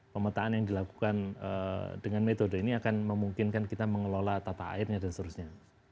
pemetaan yang dilakukan dengan metode ini akan memungkinkan kita mengelola tata airnya dan seterusnya